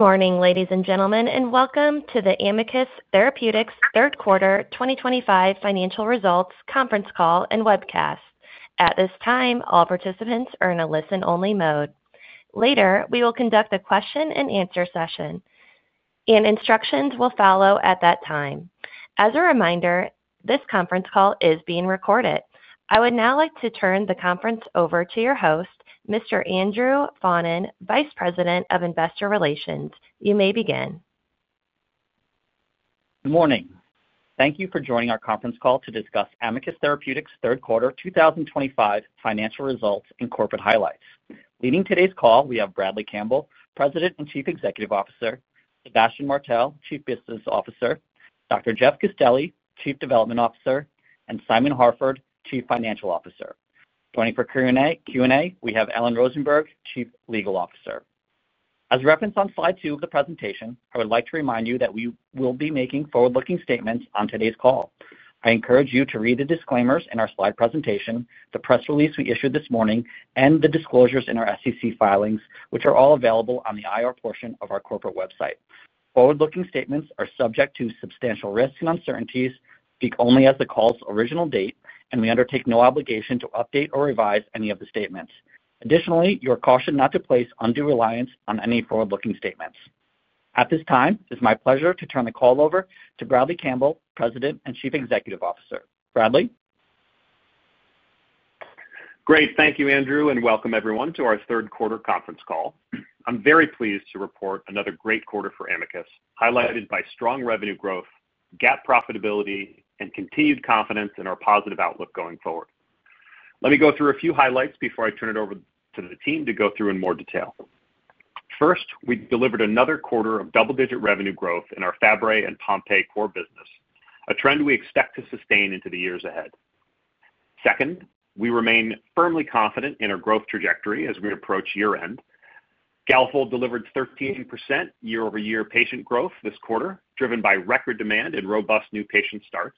Good morning, ladies and gentlemen, and welcome to the Amicus Therapeutics third quarter 2024 financial results conference call and webcast. At this time, all participants are in a listen-only mode. Later, we will conduct a question-and-answer session. Instructions will follow at that time. As a reminder, this conference call is being recorded. I would now like to turn the conference over to your host, Mr. Andrew Faughnan, Vice President of Investor Relations. You may begin. Good morning. Thank you for joining our conference call to discuss Amicus Therapeutics third quarter 2025 financial results and corporate highlights. Leading today's call, we have Bradley Campbell, President and Chief Executive Officer; Sébastien Martel, Chief Business Officer; Dr. Jeff Castelli, Chief Development Officer; and Simon Harford, Chief Financial Officer. Joining for Q&A, we have Ellen Rosenberg, Chief Legal Officer. As referenced on slide two of the presentation, I would like to remind you that we will be making forward-looking statements on today's call. I encourage you to read the disclaimers in our slide presentation, the press release we issued this morning, and the disclosures in our SEC filings, which are all available on the IR portion of our corporate website. Forward-looking statements are subject to substantial risks and uncertainties, speak only as the call's original date, and we undertake no obligation to update or revise any of the statements. Additionally, you are cautioned not to place undue reliance on any forward-looking statements. At this time, it is my pleasure to turn the call over to Bradley Campbell, President and Chief Executive Officer. Bradley. Great. Thank you, Andrew, and welcome everyone to our third quarter conference call. I'm very pleased to report another great quarter for Amicus, highlighted by strong revenue growth, GAAP profitability, and continued confidence in our positive outlook going forward. Let me go through a few highlights before I turn it over to the team to go through in more detail. First, we delivered another quarter of double-digit revenue growth in our Fabry and Pompe core business, a trend we expect to sustain into the years ahead. Second, we remain firmly confident in our growth trajectory as we approach year-end. Galafold delivered 13% year-over-year patient growth this quarter, driven by record demand and robust new patient starts.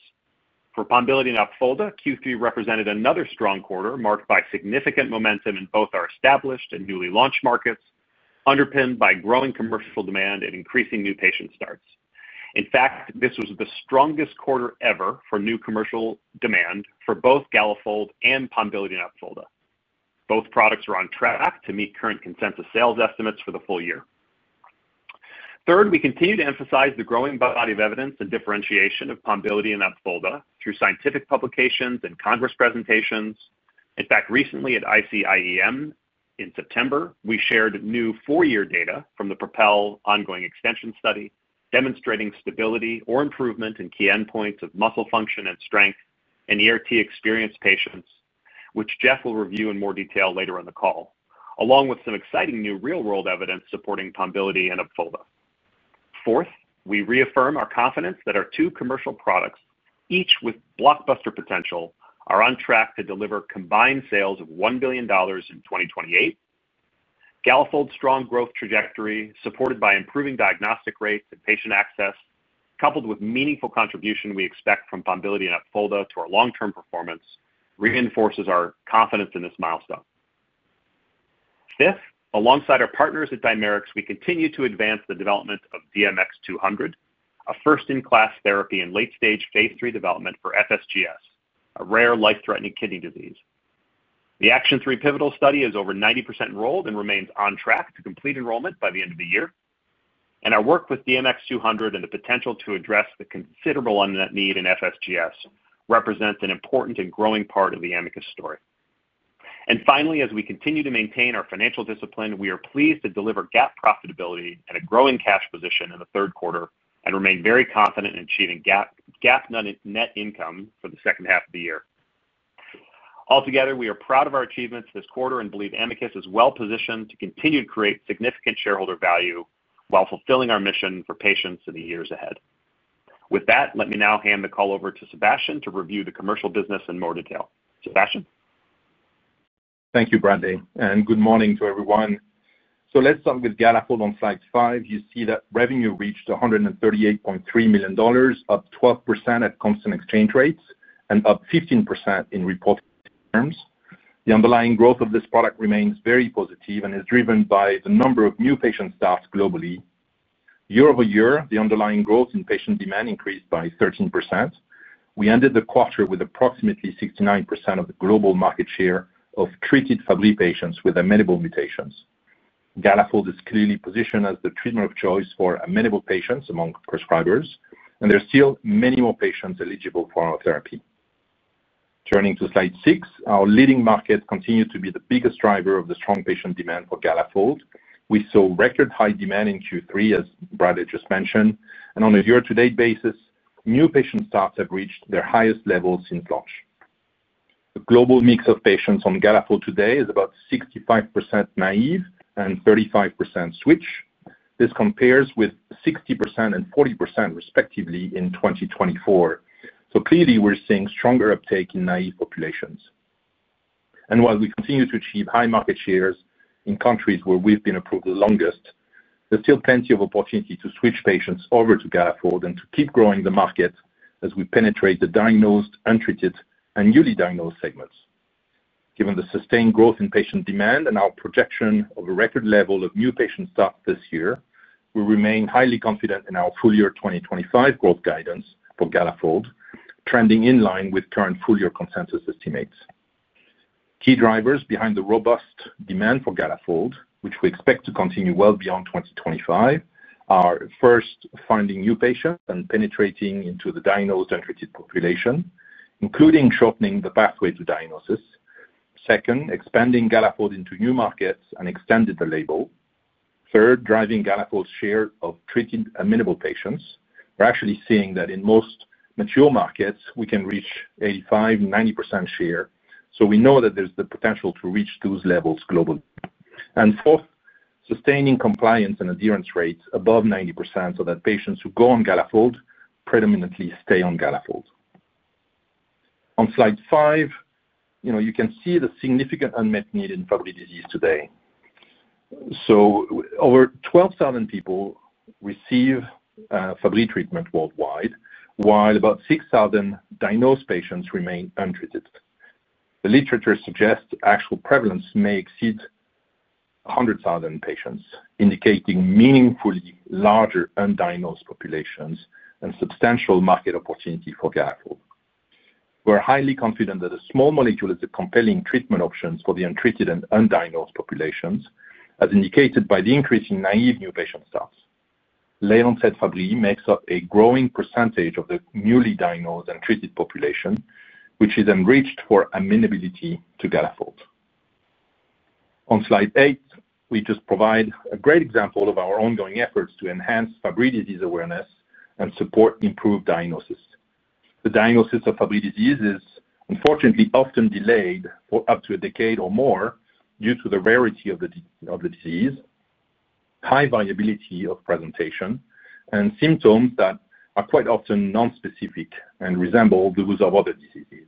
For Pombiliti and Opfolda, Q3 represented another strong quarter marked by significant momentum in both our established and newly launched markets, underpinned by growing commercial demand and increasing new patient starts. In fact, this was the strongest quarter ever for new commercial demand for both Galafold and Pombiliti and Opfolda. Both products were on track to meet current consensus sales estimates for the full year. Third, we continue to emphasize the growing body of evidence and differentiation of Pombiliti and Opfolda through scientific publications and congress presentations. In fact, recently at ICIEM in September, we shared new four-year data from the PROPEL ongoing extension study demonstrating stability or improvement in key endpoints of muscle function and strength in ERT experienced patients, which Jeff will review in more detail later on the call, along with some exciting new real-world evidence supporting Pombiliti and Opfolda. Fourth, we reaffirm our confidence that our two commercial products, each with blockbuster potential, are on track to deliver combined sales of $1 billion in 2028. Galafold's strong growth trajectory, supported by improving diagnostic rates and patient access, coupled with meaningful contribution we expect from Pombiliti and Opfolda to our long-term performance, reinforces our confidence in this milestone. Fifth, alongside our partners at Dimerix, we continue to advance the development of DMX-200, a first-in-class therapy in late-stage phase III development for FSGS, a rare life-threatening kidney disease. The ACTION3 pivotal study is over 90% enrolled and remains on track to complete enrollment by the end of the year. Our work with DMX-200 and the potential to address the considerable unmet need in FSGS represents an important and growing part of the Amicus story. Finally, as we continue to maintain our financial discipline, we are pleased to deliver GAAP profitability and a growing cash position in the third quarter and remain very confident in achieving GAAP net income for the second half of the year. Altogether, we are proud of our achievements this quarter and believe Amicus is well positioned to continue to create significant shareholder value while fulfilling our mission for patients in the years ahead. With that, let me now hand the call over to Sébastien to review the commercial business in more detail. Sébastien. Thank you, Bradley, and good morning to everyone. So let's start with Galafold on slide five. You see that revenue reached $138.3 million, up 12% at constant exchange rates and up 15% in reporting terms. The underlying growth of this product remains very positive and is driven by the number of new patient starts globally. Year-over-year, the underlying growth in patient demand increased by 13%. We ended the quarter with approximately 69% of the global market share of treated Fabry patients with amenable mutations. Galafold is clearly positioned as the treatment of choice for amenable patients among prescribers, and there are still many more patients eligible for our therapy. Turning to slide six, our leading market continues to be the biggest driver of the strong patient demand for Galafold. We saw record high demand in Q3, as Bradley just mentioned, and on a year-to-date basis, new patient starts have reached their highest level since launch. The global mix of patients on Galafold today is about 65% naive and 35% switch. This compares with 60% and 40% respectively in 2024. So clearly, we're seeing stronger uptake in naive populations. While we continue to achieve high market shares in countries where we've been approved the longest, there's still plenty of opportunity to switch patients over to Galafold and to keep growing the market as we penetrate the diagnosed, untreated, and newly diagnosed segments. Given the sustained growth in patient demand and our projection of a record level of new patient starts this year, we remain highly confident in our full year 2025 growth guidance for Galafold, trending in line with current full year consensus estimates. Key drivers behind the robust demand for Galafold, which we expect to continue well beyond 2025, are first, finding new patients and penetrating into the diagnosed and treated population, including shortening the pathway to diagnosis. Second, expanding Galafold into new markets and extended the label. Third, driving Galafold's share of treated amenable patients. We're actually seeing that in most mature markets, we can reach 85%, 90% share. So we know that there's the potential to reach those levels globally. Fourth, sustaining compliance and adherence rates above 90% so that patients who go on Galafold predominantly stay on Galafold. On slide seven, you can see the significant unmet need in Fabry disease today. So over 12,000 people receive Fabry treatment worldwide, while about 6,000 diagnosed patients remain untreated. The literature suggests actual prevalence may exceed 100,000 patients, indicating meaningfully larger undiagnosed populations and substantial market opportunity for Galafold. We're highly confident that a small molecule is a compelling treatment option for the untreated and undiagnosed populations, as indicated by the increase in naive new patient starts. Late-onset Fabry makes up a growing percentage of the newly diagnosed and treated population, which is enriched for amenability to Galafold. On slide eight, we just provide a great example of our ongoing efforts to enhance Fabry disease awareness and support improved diagnosis. The diagnosis of Fabry disease is, unfortunately, often delayed for up to a decade or more due to the rarity of the disease, high variability of presentation, and symptoms that are quite often nonspecific and resemble those of other diseases.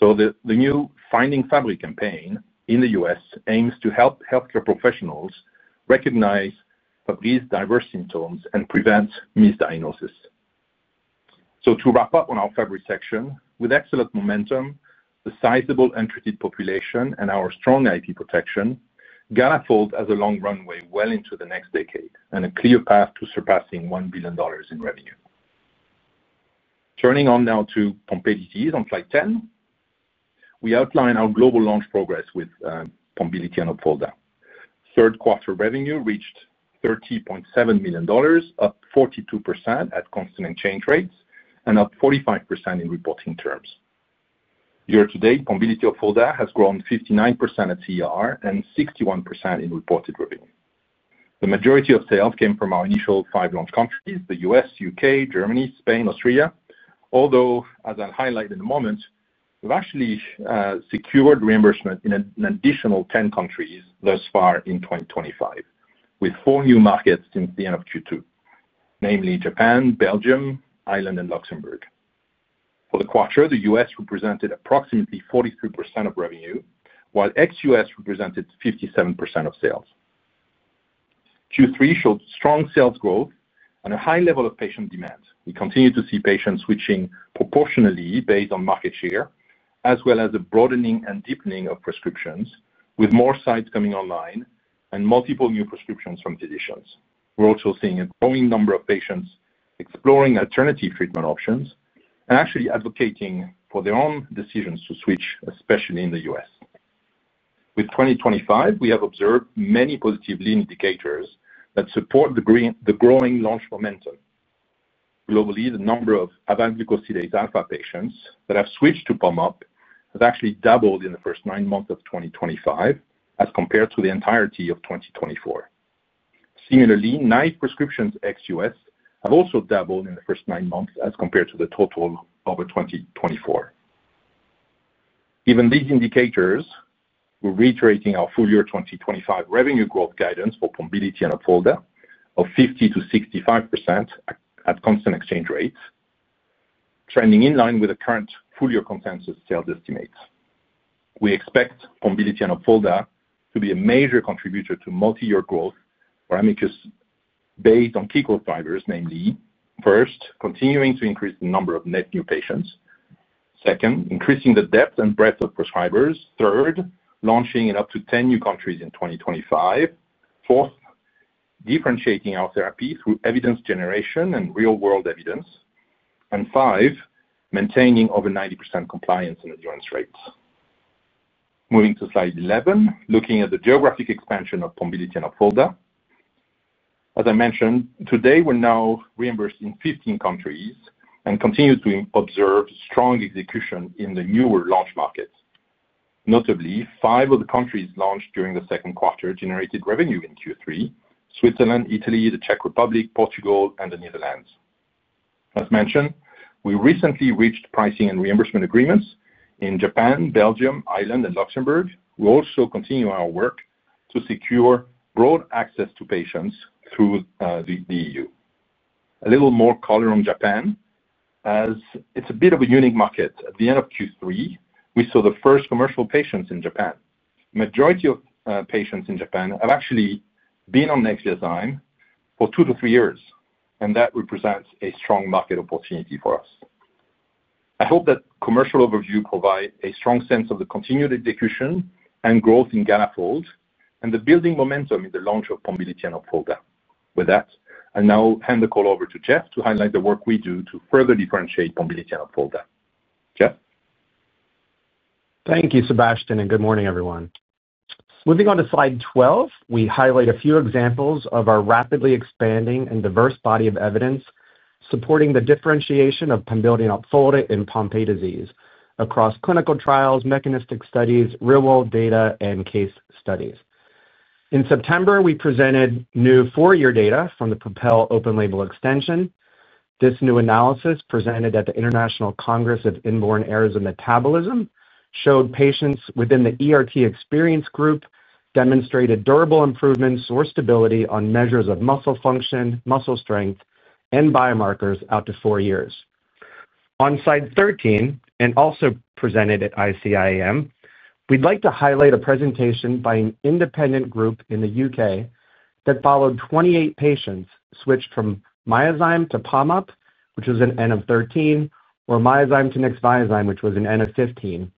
The new Finding Fabry campaign in the U.S. aims to help healthcare professionals recognize Fabry's diverse symptoms and prevent misdiagnosis. To wrap up on our Fabry section, with excellent momentum, the sizable untreated population, and our strong IP protection, Galafold has a long runway well into the next decade and a clear path to surpassing $1 billion in revenue. Turning now to Pompe disease on slide 10. We outline our global launch progress with Pombiliti and Opfolda. Third quarter revenue reached $30.7 million, up 42% at constant exchange rates and up 45% in reporting terms. Year to date, Pombiliti and Opfolda have grown 59% at CER and 61% in reported revenue. The majority of sales came from our initial five launch countries: the U.S., U.K., Germany, Spain, Austria, although, as I'll highlight in a moment, we've actually secured reimbursement in an additional 10 countries thus far in 2024, with four new markets since the end of Q2, namely Japan, Belgium, Ireland, and Luxembourg. For the quarter, the U.S. represented approximately 43% of revenue, while ex-U.S. represented 57% of sales. Q3 showed strong sales growth and a high level of patient demand. We continue to see patients switching proportionally based on market share, as well as a broadening and deepening of prescriptions, with more sites coming online and multiple new prescriptions from physicians. We're also seeing a growing number of patients exploring alternative treatment options and actually advocating for their own decisions to switch, especially in the U.S. With 2024, we have observed many positive lead indicators that support the growing launch momentum. Globally, the number of avalglucosidase alfa patients that have switched to Pompe has actually doubled in the first nine months of 2024 as compared to the entirety of 2023. Similarly, naive prescriptions ex-U.S. have also doubled in the first nine months as compared to the total of 2023. Given these indicators, we're reiterating our full year 2024 revenue growth guidance for Pombiliti and Opfolda of 50%-65% at constant exchange rates. Trending in line with the current full year consensus sales estimates. We expect Pombiliti and Opfolda to be a major contributor to multi-year growth for Amicus based on key growth drivers, namely: first, continuing to increase the number of net new patients; second, increasing the depth and breadth of prescribers; third, launching in up to 10 new countries in 2024; fourth, differentiating our therapy through evidence generation and real-world evidence; and five, maintaining over 90% compliance and adherence rates. Moving to slide 11, looking at the geographic expansion of Pombiliti and Opfolda. As I mentioned, today, we're now reimbursed in 15 countries and continue to observe strong execution in the newer launch markets. Notably, five of the countries launched during the second quarter generated revenue in Q3: Switzerland, Italy, the Czech Republic, Portugal, and the Netherlands. As mentioned, we recently reached pricing and reimbursement agreements in Japan, Belgium, Ireland, and Luxembourg. We also continue our work to secure broad access to patients through the EU. A little more color on Japan, as it's a bit of a unique market. At the end of Q3, we saw the first commercial patients in Japan. The majority of patients in Japan have actually been on Nexviazyme for two to three years, and that represents a strong market opportunity for us. I hope that commercial overview provides a strong sense of the continued execution and growth in Galafold and the building momentum in the launch of Pombiliti and Apfolda. With that, I'll now hand the call over to Jeff to highlight the work we do to further differentiate Pombiliti and Apfolda. Jeff? Thank you, Sébastien, and good morning, everyone. Moving on to slide 12, we highlight a few examples of our rapidly expanding and diverse body of evidence supporting the differentiation of Pombiliti and Apfolda in Pompe disease across clinical trials, mechanistic studies, real-world data, and case studies. In September, we presented new four-year data from the PROPEL open-label extension. This new analysis, presented at the International Congress of Inborn Errors in Metabolism, showed patients within the ERT experience group demonstrated durable improvements or stability on measures of muscle function, muscle strength, and biomarkers out to four years. On slide 13, and also presented at ICIEM, we'd like to highlight a presentation by an independent group in the U.K. that followed 28 patients switched from Myozyme to Pombiliti, which was an N of 13, or Myozyme to Nexviazyme, which was an N of 15.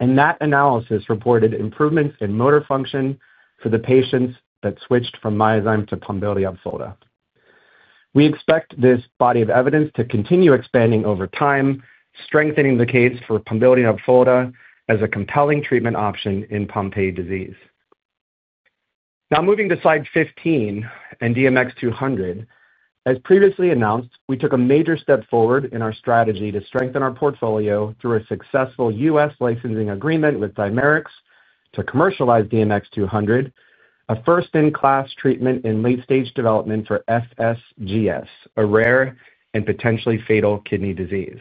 That analysis reported improvements in motor function for the patients that switched from Myozyme to Pombiliti and Apfolda. We expect this body of evidence to continue expanding over time, strengthening the case for Pombiliti and Apfolda as a compelling treatment option in Pompe disease. Now, moving to slide 15 and DMX-200, as previously announced, we took a major step forward in our strategy to strengthen our portfolio through a successful U.S. licensing agreement with Dimerix to commercialize DMX-200, a first-in-class treatment in late-stage development for FSGS, a rare and potentially fatal kidney disease.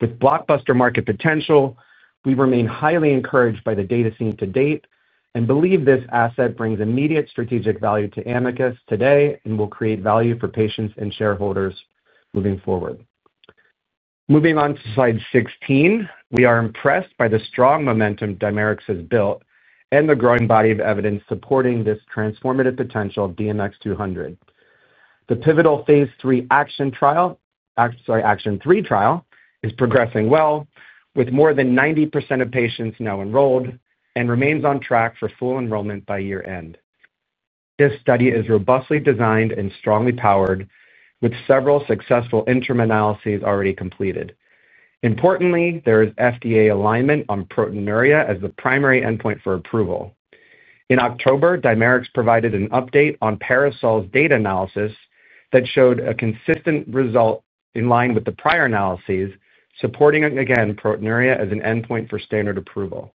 With blockbuster market potential, we remain highly encouraged by the data seen to date and believe this asset brings immediate strategic value to Amicus today and will create value for patients and shareholders moving forward. Moving on to slide 16, we are impressed by the strong momentum Dimerix has built and the growing body of evidence supporting this transformative potential of DMX-200. The pivotal phase III ACTION3 trial is progressing well, with more than 90% of patients now enrolled and remains on track for full enrollment by year-end. This study is robustly designed and strongly powered, with several successful interim analyses already completed. Importantly, there is FDA alignment on proteinuria as the primary endpoint for approval. In October, Dimerix provided an update on PARASOL's data analysis that showed a consistent result in line with the prior analyses, supporting again proteinuria as an endpoint for standard approval.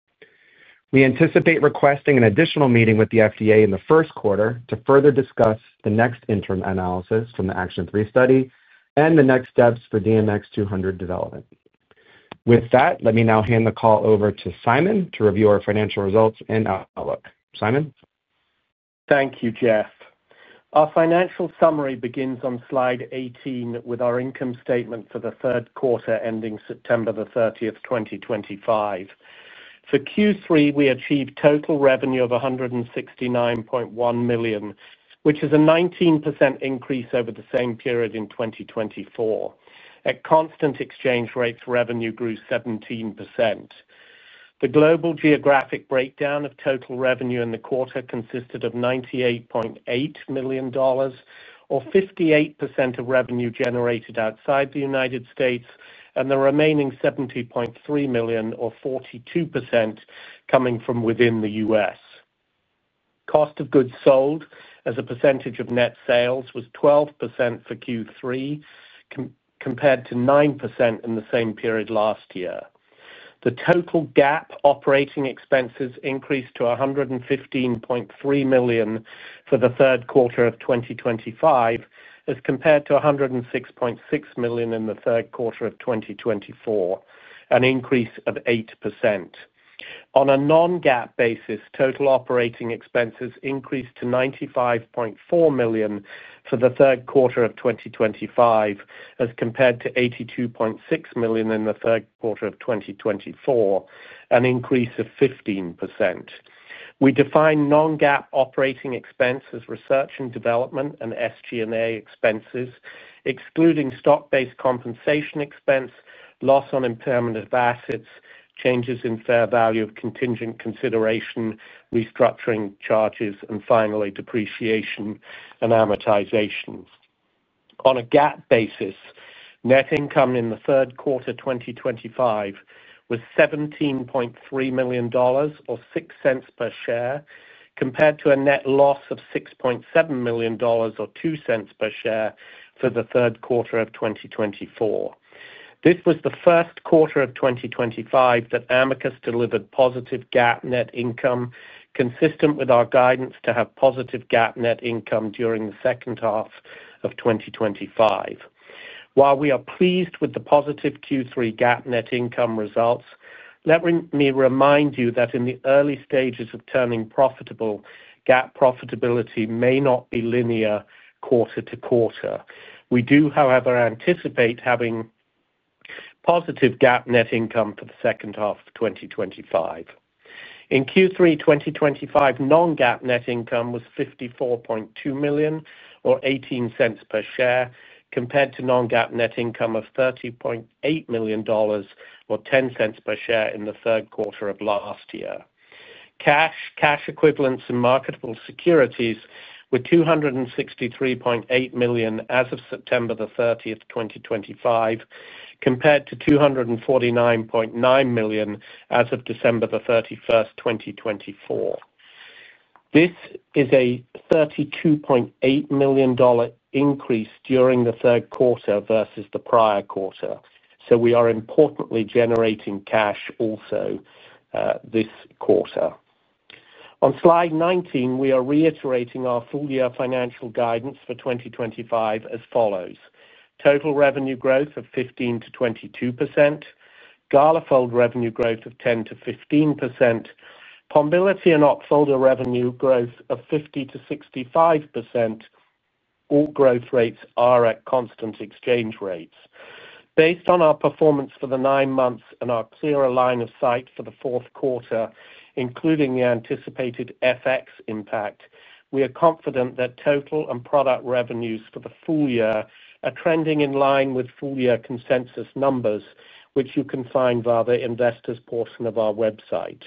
We anticipate requesting an additional meeting with the FDA in the first quarter to further discuss the next interim analysis from the ACTION3 study and the next steps for DMX-200 development. With that, let me now hand the call over to Simon to review our financial results and outlook. Simon. Thank you, Jeff. Our financial summary begins on slide 18 with our income statement for the third quarter ending September 30th, 2025. For Q3, we achieved total revenue of $169.1 million, which is a 19% increase over the same period in 2024. At constant exchange rates, revenue grew 17%. The global geographic breakdown of total revenue in the quarter consisted of $98.8 million, or 58% of revenue generated outside the United States, and the remaining $70.3 million, or 42%, coming from within the U.S. Cost of goods sold as a percentage of net sales was 12% for Q3. Compared to 9% in the same period last year. The total GAAP operating expenses increased to $115.3 million for the third quarter of 2025, as compared to $106.6 million in the third quarter of 2024, an increase of 8%. On a non-GAAP basis, total operating expenses increased to $95.4 million for the third quarter of 2025, as compared to $82.6 million in the third quarter of 2024, an increase of 15%. We define non-GAAP operating expenses as research and development and SG&A expenses, excluding stock-based compensation expense, loss on impermanent assets, changes in fair value of contingent consideration, restructuring charges, and finally, depreciation and amortization. On a GAAP basis, net income in the third quarter of 2025 was $17.3 million, or $0.06 per share, compared to a net loss of $6.7 million, or $0.02 per share, for the third quarter of 2024. This was the first quarter of 2025 that Amicus delivered positive GAAP net income, consistent with our guidance to have positive GAAP net income during the second half of 2025. While we are pleased with the positive Q3 GAAP net income results, let me remind you that in the early stages of turning profitable, GAAP profitability may not be linear quarter to quarter. We do, however, anticipate having positive GAAP net income for the second half of 2025. In Q3 2025, non-GAAP net income was $54.2 million, or $0.18 per share, compared to non-GAAP net income of $30.8 million, or $0.10 per share, in the third quarter of last year. Cash, cash equivalents, and marketable securities were $263.8 million as of September 30th, 2025, compared to $249.9 million as of December 31st, 2024. This is a $32.8 million increase during the third quarter versus the prior quarter. So we are importantly generating cash also this quarter. On slide 19, we are reiterating our full year financial guidance for 2025 as follows: total revenue growth of 15%-22%. Galafold revenue growth of 10%-15%. Pombiliti and Opfolda revenue growth of 50%-65%. All growth rates are at constant exchange rates. Based on our performance for the nine months and our clearer line of sight for the fourth quarter, including the anticipated FX impact, we are confident that total and product revenues for the full year are trending in line with full year consensus numbers, which you can find via the investors' portion of our website.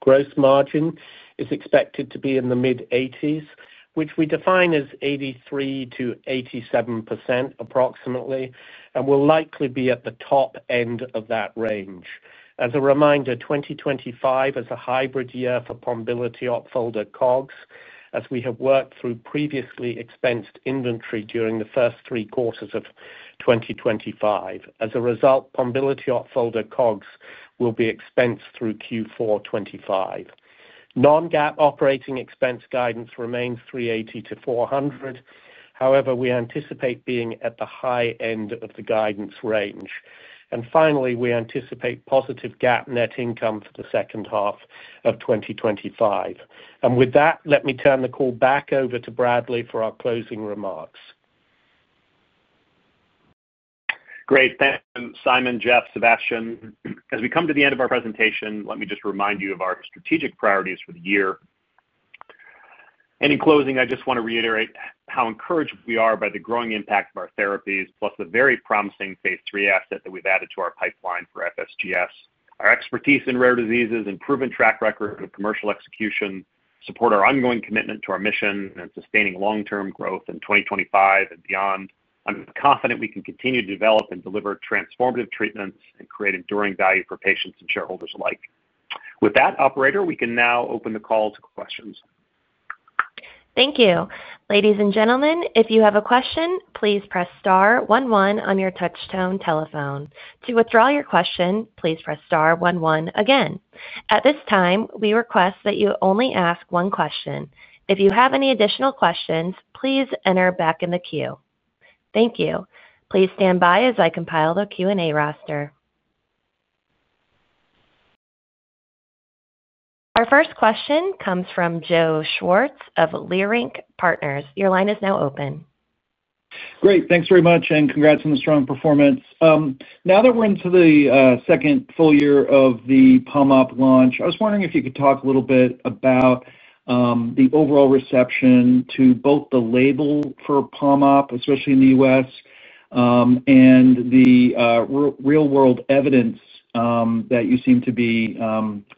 Gross margin is expected to be in the mid-80s, which we define as 83%-87% approximately, and will likely be at the top end of that range. As a reminder, 2025 is a hybrid year for Pombiliti and Apfolda COGS, as we have worked through previously expensed inventory during the first three quarters of 2025. As a result, Pombiliti and Apfolda COGS will be expensed through Q4 2025. Non-GAAP operating expense guidance remains $380 million-$400 million. However, we anticipate being at the high end of the guidance range. Finally, we anticipate positive GAAP net income for the second half of 2025. With that, let me turn the call back over to Bradley for our closing remarks. Great. Thank you, Simon, Jeff, Sébastien. As we come to the end of our presentation, let me just remind you of our strategic priorities for the year. In closing, I just want to reiterate how encouraged we are by the growing impact of our therapies, plus the very promising phase III asset that we've added to our pipeline for FSGS. Our expertise in rare diseases and proven track record of commercial execution support our ongoing commitment to our mission and sustaining long-term growth in 2025 and beyond. I'm confident we can continue to develop and deliver transformative treatments and create enduring value for patients and shareholders alike. With that, operator, we can now open the call to questions. Thank you. Ladies and gentlemen, if you have a question, please press star one one on your touchstone telephone. To withdraw your question, please press star one one again. At this time, we request that you only ask one question. If you have any additional questions, please enter back in the queue. Thank you. Please stand by as I compile the Q&A roster. Our first question comes from Joe Schwartz of Leerink Partners. Your line is now open. Great. Thanks very much, and congrats on the strong performance. Now that we're into the second full year of the Pombiliti launch, I was wondering if you could talk a little bit about the overall reception to both the label for Pombiliti, especially in the U.S. and the real-world evidence that you seem to be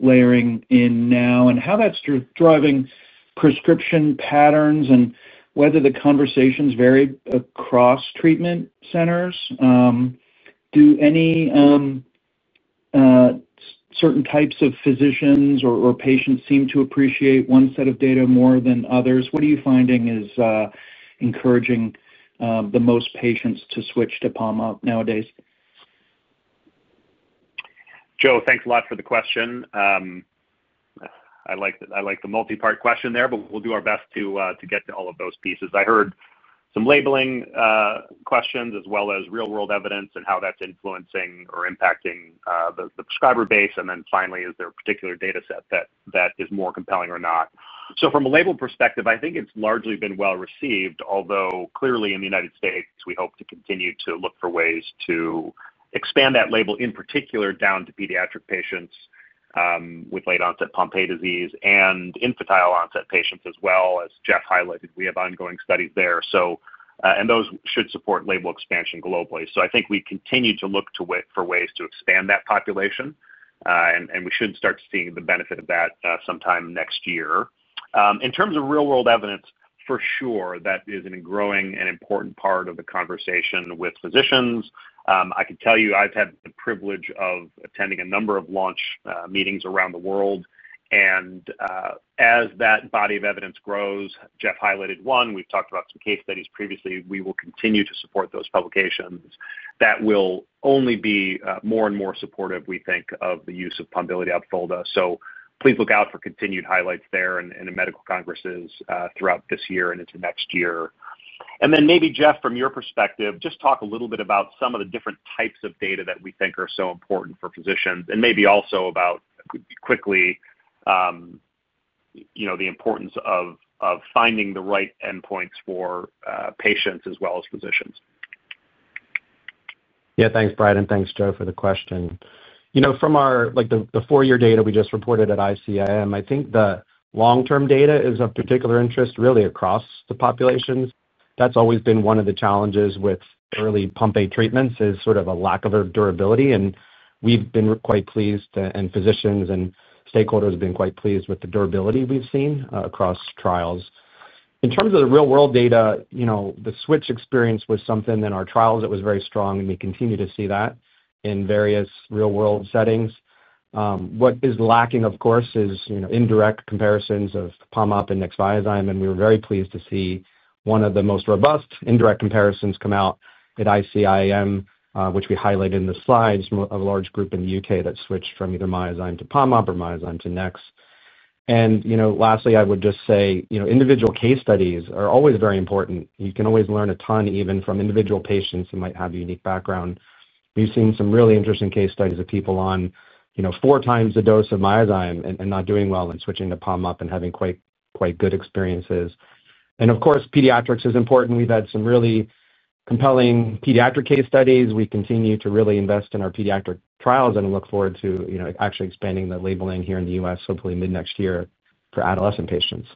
layering in now, and how that's driving prescription patterns, and whether the conversations vary across treatment centers. Do any certain types of physicians or patients seem to appreciate one set of data more than others? What are you finding is encouraging the most patients to switch to Pombiliti nowadays? Joe, thanks a lot for the question. I like the multi-part question there, but we'll do our best to get to all of those pieces. I heard some labeling questions as well as real-world evidence and how that's influencing or impacting the prescriber base. And then finally, is there a particular data set that is more compelling or not? So from a label perspective, I think it's largely been well received, although clearly in the United States, we hope to continue to look for ways to expand that label in particular down to pediatric patients with late-onset Pompe disease and infantile-onset patients, as well as Jeff highlighted, we have ongoing studies there. And those should support label expansion globally. So I think we continue to look for ways to expand that population. And we should start seeing the benefit of that sometime next year. In terms of real-world evidence, for sure, that is an ingrowing and important part of the conversation with physicians. I can tell you I've had the privilege of attending a number of launch meetings around the world. As that body of evidence grows, Jeff highlighted one, we've talked about some case studies previously, we will continue to support those publications. That will only be more and more supportive, we think, of the use of Pombiliti and Apfolda. So please look out for continued highlights there and in medical congresses throughout this year and into next year. And then maybe, Jeff, from your perspective, just talk a little bit about some of the different types of data that we think are so important for physicians, and maybe also about quickly the importance of finding the right endpoints for patients as well as physicians. Yeah, thanks, Brad, and thanks, Joe, for the question. From the four-year data we just reported at ICIM, I think the long-term data is of particular interest, really, across the populations. That's always been one of the challenges with early Pompe treatments, is sort of a lack of durability. We've been quite pleased, and physicians and stakeholders have been quite pleased with the durability we've seen across trials. In terms of the real-world data, the switch experience was something in our trials that was very strong, and we continue to see that in various real-world settings. What is lacking, of course, is indirect comparisons of Pombiliti and Nexviazyme, and we were very pleased to see one of the most robust indirect comparisons come out at ICIM, which we highlight in the slides from a large group in the U.K. that switched from either Myozyme to Pombiliti or Myozyme to Nexviazyme. I would just say individual case studies are always very important. You can always learn a ton, even from individual patients who might have a unique background. We've seen some really interesting case studies of people on four times the dose of Myozyme and not doing well and switching to Pombiliti and having quite good experiences. Of course, pediatrics is important. We've had some really compelling pediatric case studies. We continue to really invest in our pediatric trials and look forward to actually expanding the labeling here in the U.S., hopefully mid-next year, for adolescent patients.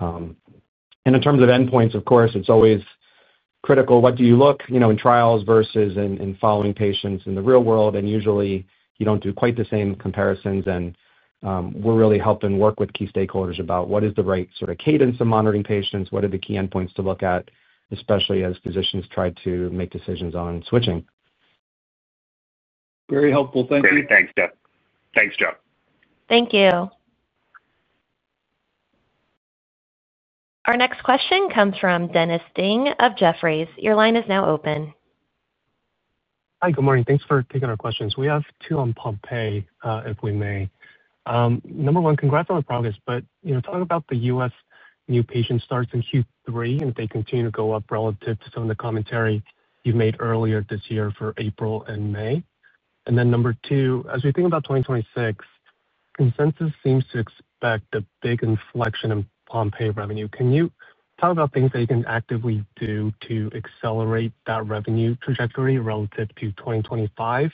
In terms of endpoints, of course, it's always critical, what do you look in trials versus in following patients in the real world? Usually, you don't do quite the same comparisons. We're really helping work with key stakeholders about what is the right sort of cadence of monitoring patients, what are the key endpoints to look at, especially as physicians try to make decisions on switching. Very helpful. Thank you. Thanks, Jeff. Thanks, Joe. Thank you. Our next question comes from Dennis Ding of Jefferies. Your line is now open. Hi, good morning. Thanks for taking our questions. We have two on Pompe, if we may. Number one, congrats on the progress, but talk about the U.S. new patient starts in Q3. If they continue to go up relative to some of the commentary you've made earlier this year for April and May. Number two, as we think about 2026. Consensus seems to expect a big inflection in Pompe revenue. Can you talk about things that you can actively do to accelerate that revenue trajectory relative to 2025?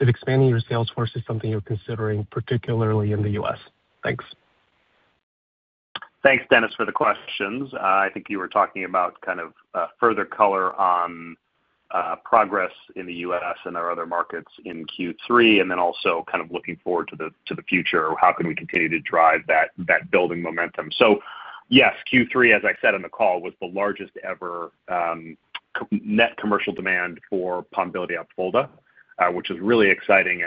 If expanding your sales force is something you're considering, particularly in the U.S.? Thanks. Thanks, Dennis, for the questions. I think you were talking about kind of further color on progress in the U.S. and our other markets in Q3, and then also kind of looking forward to the future, how can we continue to drive that building momentum? So yes, Q3, as I said in the call, was the largest ever net commercial demand for Pombiliti and Opfolda, which is really exciting.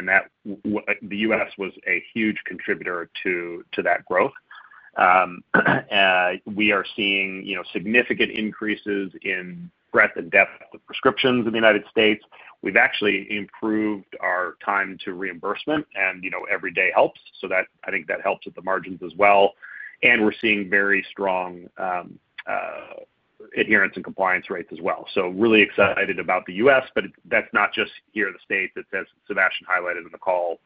The U.S. was a huge contributor to that growth. We are seeing significant increases in breadth and depth of prescriptions in the United States. We've actually improved our time to reimbursement, and every day helps. So I think that helps with the margins as well. We're seeing very strong adherence and compliance rates as well. So really excited about the U.S., but that's not just here, the States. It's, as Sébastien highlighted in the call,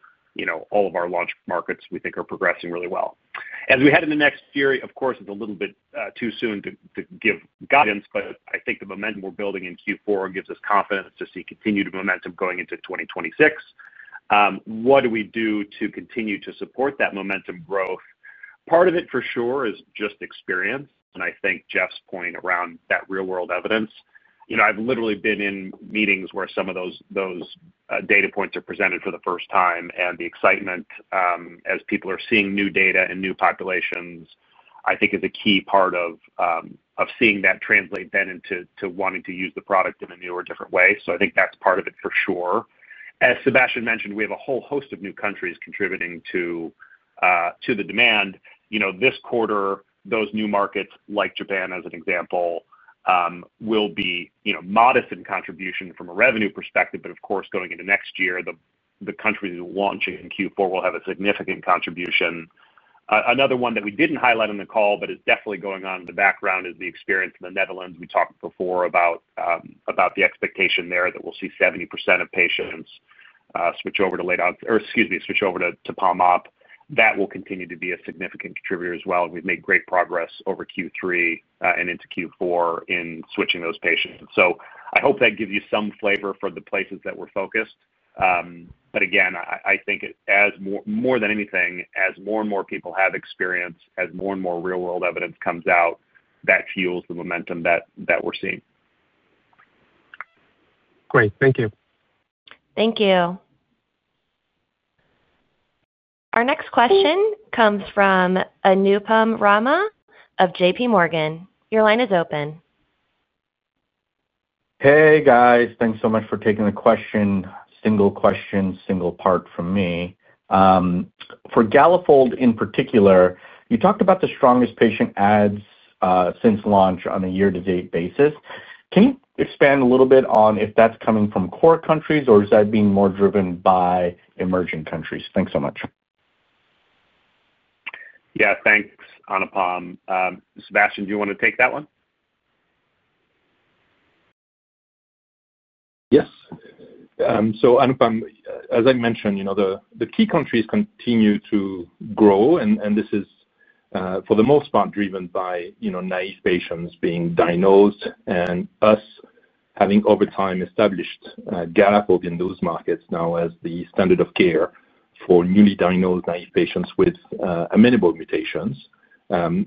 all of our launch markets, we think, are progressing really well. As we head into next year, of course, it's a little bit too soon to give guidance, but I think the momentum we're building in Q4 gives us confidence to see continued momentum going into 2025. What do we do to continue to support that momentum growth? Part of it, for sure, is just experience. I think Jeff's point around that real-world evidence, I've literally been in meetings where some of those data points are presented for the first time. The excitement as people are seeing new data and new populations, I think, is a key part of seeing that translate then into wanting to use the product in a new or different way. So I think that's part of it, for sure. As Sébastien mentioned, we have a whole host of new countries contributing to the demand. This quarter, those new markets, like Japan, as an example, will be modest in contribution from a revenue perspective. But of course, going into next year, the countries launching in Q4 will have a significant contribution. Another one that we didn't highlight in the call, but is definitely going on in the background, is the experience in the Netherlands. We talked before about the expectation there that we'll see 70% of patients switch over to late-onset or, excuse me, switch over to Pompe. That will continue to be a significant contributor as well. We've made great progress over Q3 and into Q4 in switching those patients. So I hope that gives you some flavor for the places that we're focused. But again, I think more than anything, as more and more people have experience, as more and more real-world evidence comes out, that fuels the momentum that we're seeing. Great. Thank you. Thank you. Our next question comes from Anupam Rama of JPMorgan. Your line is open. Hey, guys. Thanks so much for taking the question, single question, single part from me. For Galafold in particular, you talked about the strongest patient adds since launch on a year-to-date basis. Can you expand a little bit on if that's coming from core countries, or is that being more driven by emerging countries? Thanks so much. Yeah, thanks, Anupam. Sébastien, do you want to take that one? Yes. Anupam, as I mentioned, the key countries continue to grow, and this is for the most part driven by naive patients being diagnosed and us having over time established Galafold in those markets now as the standard of care for newly diagnosed naive patients with amenable mutations.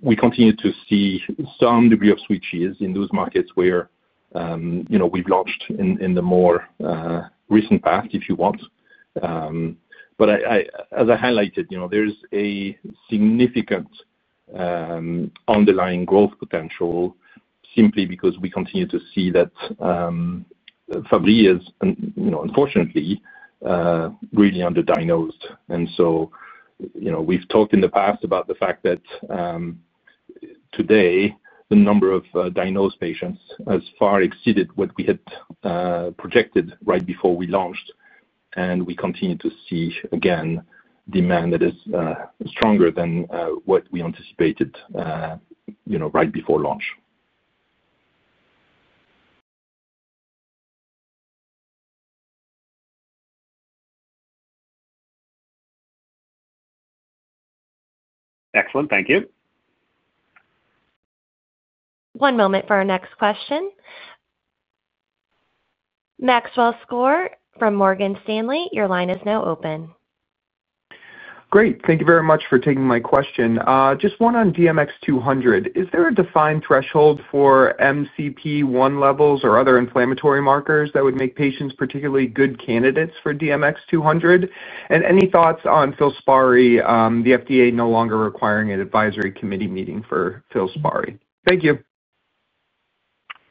We continue to see some degree of switches in those markets where we've launched in the more recent past, if you want. But as I highlighted, there's a significant underlying growth potential simply because we continue to see that Fabry is, unfortunately, really underdiagnosed. We've talked in the past about the fact that today, the number of diagnosed patients has far exceeded what we had projected right before we launched. We continue to see, again, demand that is stronger than what we anticipated right before launch. Excellent. Thank you. One moment for our next question. Maxwell Skor from Morgan Stanley, your line is now open. Great. Thank you very much for taking my question. Just one on DMX-200. Is there a defined threshold for MCP-1 levels or other inflammatory markers that would make patients particularly good candidates for DMX-200? Any thoughts on Filspari, the FDA no longer requiring an advisory committee meeting for Filspari? Thank you.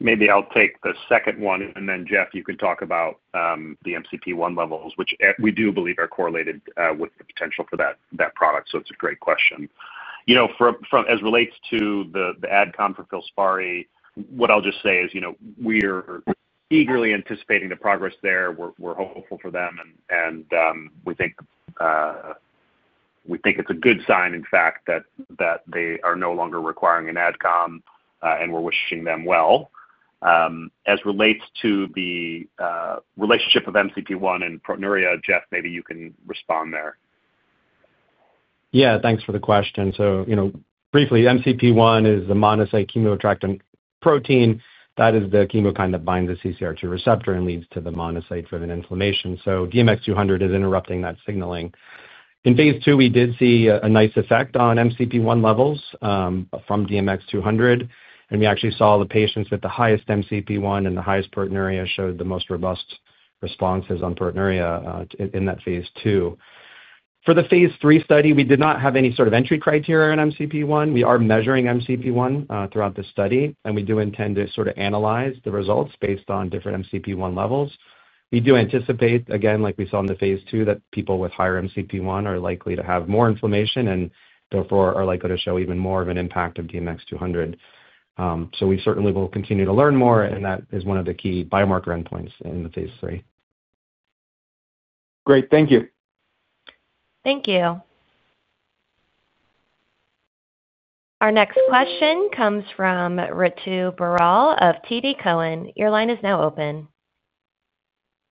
Maybe I'll take the second one. Then, Jeff, you can talk about the MCP-1 levels, which we do believe are correlated with the potential for that product. So it's a great question. As it relates to the adcom for Filspari, what I'll just say is we are eagerly anticipating the progress there. We're hopeful for them. We think it's a good sign, in fact, that they are no longer requiring an adcom, and we're wishing them well. As it relates to the relationship of MCP-1 and proteinuria, Jeff, maybe you can respond there. Yeah, thanks for the question. So briefly, MCP-1 is a monocyte chemoattractant protein. That is the chemo kind that binds a CCR2 receptor and leads to the monocyte-driven inflammation. So DMX-200 is interrupting that signaling. In phase II, we did see a nice effect on MCP-1 levels from DMX-200. We actually saw the patients with the highest MCP-1 and the highest proteinuria showed the most robust responses on proteinuria in that phase II. For the phase III study, we did not have any sort of entry criteria in MCP-1. We are measuring MCP-1 throughout the study, and we do intend to sort of analyze the results based on different MCP-1 levels. We do anticipate, again, like we saw in the phase II, that people with higher MCP-1 are likely to have more inflammation and therefore are likely to show even more of an impact of DMX-200. We certainly will continue to learn more, and that is one of the key biomarker endpoints in the phase III. Great. Thank you. Thank you. Our next question comes from Ritu Baral of TD Cohen. Your line is now open.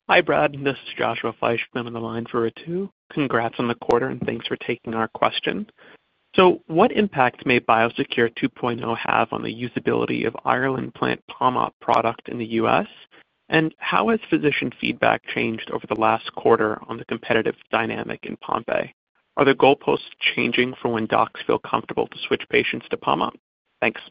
Hi, Brad. This is Joshua Fleishman. I'm on the line for Ritu. Congrats on the quarter, and thanks for taking our question. So what impact may Biosecure 2.0 have on the usability of Ireland-plant Pombiliti product in the U.S.? And how has physician feedback changed over the last quarter on the competitive dynamic in Pompe? Are the goalposts changing for when docs feel comfortable to switch patients to Pombiliti? Thanks.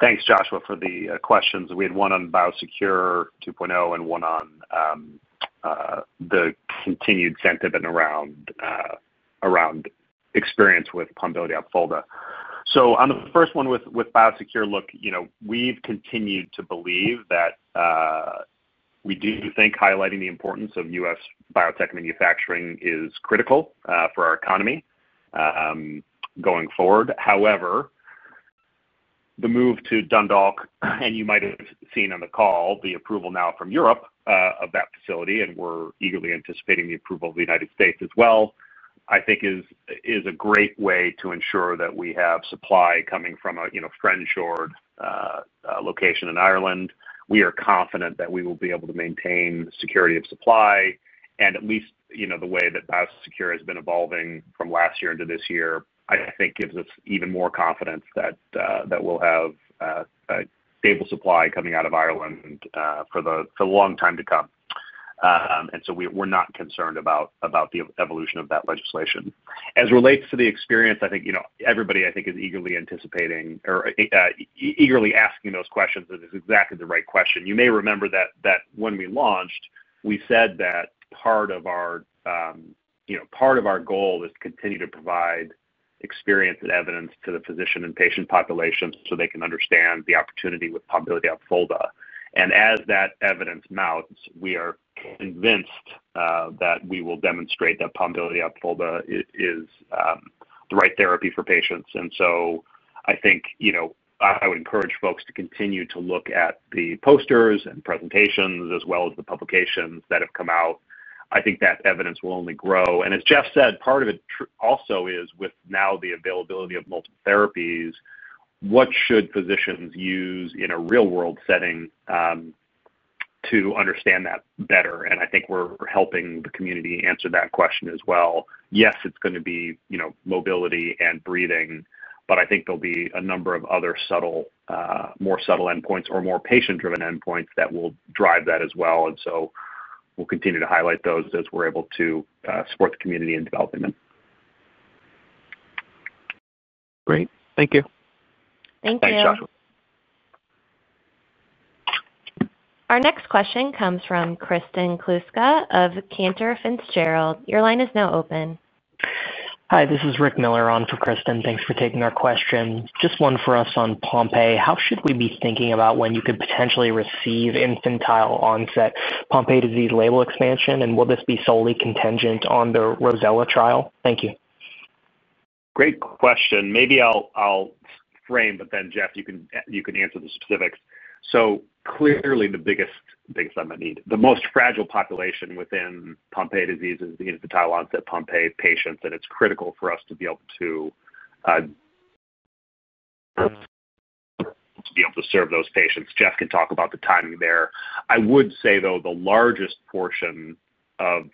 Thanks, Joshua, for the questions. We had one on Biosecure 2.0 and one on the continued sentiment around experience with Pombiliti and Apfolda. So on the first one with Biosecure, look, we've continued to believe that we do think highlighting the importance of U.S. biotech manufacturing is critical for our economy going forward. However, the move to Dundalk, and you might have seen on the call, the approval now from Europe of that facility, and we're eagerly anticipating the approval of the United States as well, I think, is a great way to ensure that we have supply coming from a friend-shored location in Ireland. We are confident that we will be able to maintain security of supply. At least the way that Biosecure has been evolving from last year into this year, I think, gives us even more confidence that we'll have a stable supply coming out of Ireland for the long time to come. So we're not concerned about the evolution of that legislation. As it relates to the experience, I think everybody, I think, is eagerly anticipating or eagerly asking those questions. It is exactly the right question. You may remember that when we launched, we said that part of our goal is to continue to provide experience and evidence to the physician and patient populations so they can understand the opportunity with Pombiliti and Apfolda. As that evidence mounts, we are convinced that we will demonstrate that Pombiliti and Apfolda is the right therapy for patients. I think I would encourage folks to continue to look at the posters and presentations as well as the publications that have come out. I think that evidence will only grow. As Jeff said, part of it also is with now the availability of multiple therapies, what should physicians use in a real-world setting to understand that better? I think we're helping the community answer that question as well. Yes, it's going to be mobility and breathing, but I think there'll be a number of other more subtle endpoints or more patient-driven endpoints that will drive that as well. We'll continue to highlight those as we're able to support the community in developing them. Great. Thank you. Thank you. Thanks, Joshua. Our next question comes from Kristen Kluska of Cantor Fitzgerald. Your line is now open. Hi, this is Rick Miller on for Kristen. Thanks for taking our question. Just one for us on Pompe. How should we be thinking about when you could potentially receive infantile onset Pompe disease label expansion? And will this be solely contingent on the ROSELLA trial? Thank you. Great question. Maybe I'll frame, but then, Jeff, you can answer the specifics. So clearly, the biggest—I'm going to need the most fragile population within Pompe disease is the infantile onset Pompe patients. It's critical for us to be able to serve those patients. Jeff can talk about the timing there. I would say, though, the largest portion of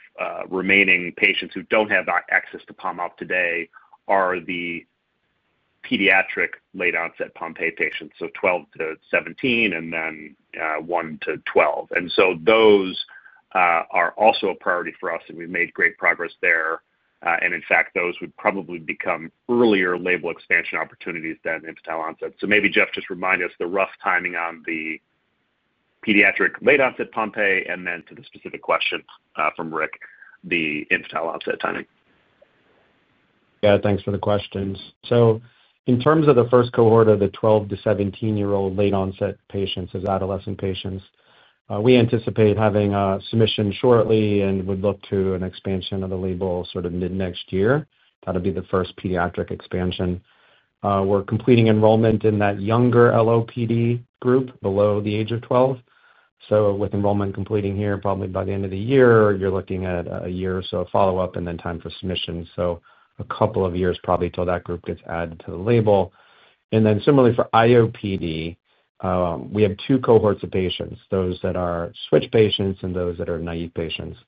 remaining patients who don't have access to Pombiliti today are the pediatric late-onset Pompe patients, so 12-17 and then 1-12. Those are also a priority for us, and we've made great progress there. In fact, those would probably become earlier label expansion opportunities than infantile onset. So maybe, Jeff, just remind us the rough timing on the pediatric late-onset Pompe and then to the specific question from Rick, the infantile onset timing. Yeah, thanks for the questions. So in terms of the first cohort of the 12-17-year-old late-onset patients, adolescent patients, we anticipate having a submission shortly and would look to an expansion of the label sort of mid-next year. That would be the first pediatric expansion. We're completing enrollment in that younger LOPD group below the age of 12. With enrollment completing here probably by the end of the year, you're looking at a year or so of follow-up and then time for submission. A couple of years probably till that group gets added to the label. And then similarly for IOPD. We have two cohorts of patients, those that are switch patients and those that are naive patients.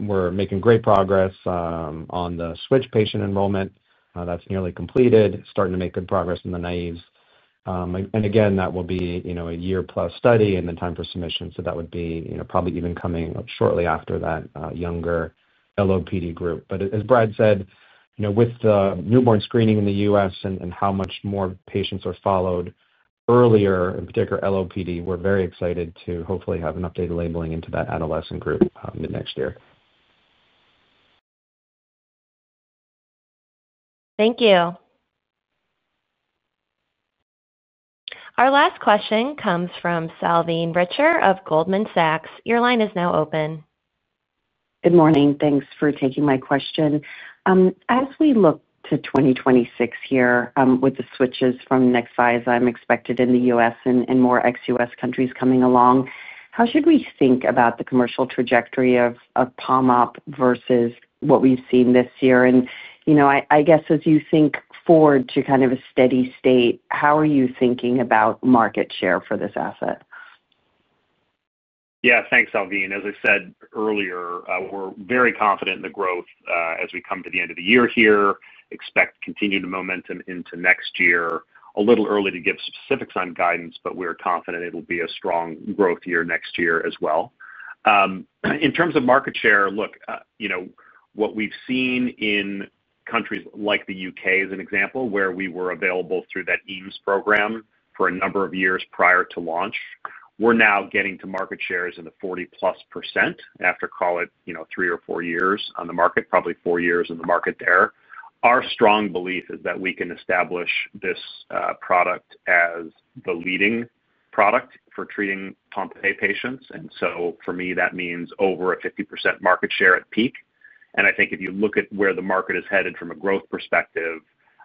We're making great progress on the switch patient enrollment. That's nearly completed, starting to make good progress in the naives. And again, that will be a year-plus study and then time for submission. That would be probably even coming shortly after that younger LOPD group. But as Brad said, with the newborn screening in the U.S. and how much more patients are followed earlier, in particular LOPD, we're very excited to hopefully have an updated labeling into that adolescent group mid-next year. Thank you. Our last question comes from Salveen Richer of Goldman Sachs. Your line is now open. Good morning. Thanks for taking my question. As we look to 2026 here with the switches from Nexviazyme expected in the U.S. and more ex-U.S. countries coming along, how should we think about the commercial trajectory of Pombiliti versus what we've seen this year? And I guess as you think forward to kind of a steady state, how are you thinking about market share for this asset? Yeah, thanks, Salveen. As I said earlier, we're very confident in the growth as we come to the end of the year here. Expect continued momentum into next year. A little early to give specifics on guidance, but we're confident it'll be a strong growth year next year as well. In terms of market share, look. What we've seen in countries like the U.K., as an example, where we were available through that EAMS program for a number of years prior to launch, we're now getting to market shares in the 40%+ after, call it, three or four years on the market, probably four years in the market there. Our strong belief is that we can establish this product as the leading product for treating Pompe patients. For me, that means over a 50% market share at peak. I think if you look at where the market is headed from a growth perspective,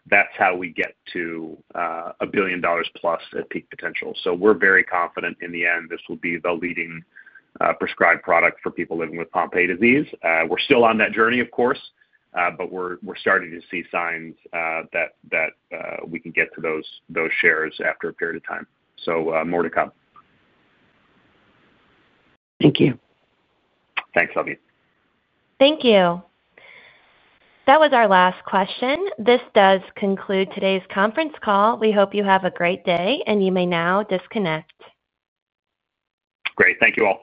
that's how we get to a billion dollars plus at peak potential. We're very confident in the end this will be the leading prescribed product for people living with Pompe disease. We're still on that journey, of course, but we're starting to see signs that we can get to those shares after a period of time. More to come. Thank you. Thanks, Salveen. Thank you. That was our last question. This does conclude today's conference call. We hope you have a great day, and you may now disconnect. Great. Thank you all.